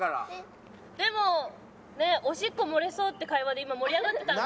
でもおしっこ漏れそうって会話で今盛り上がってたんで。